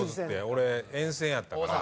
俺沿線やったから。